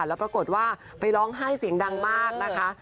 แล้วปรากฏว่าไปร้องไห้เสียงดังมากนะคะ